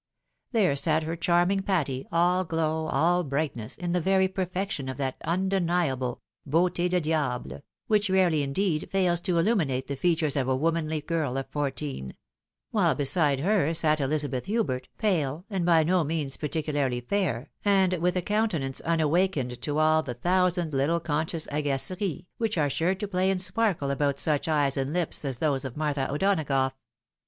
There sat her charming Patty, all glow, all bright ness, in the very perfection of that undeniable " beaute de diable " which" rarely, indeed, fails to illuminate the features of a womanly girl of fourteen ; whUe beside her sat Elizabeth Hubert, pale, and by no means particularly fair, and with a countenance unawakened to aU the thousand little conscious agaceries, which are sure to play and sparkle about such eyes and hps as those of Martha O'Donagough.